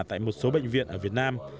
tại một số bệnh viện ở việt nam